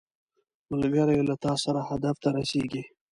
ملګری له تا سره هدف ته رسیږي